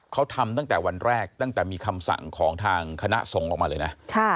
เขาทำตั้งแต่วันแรกตั้งแต่มีคำสั่งของทางคณะส่งออกมาเลยนะ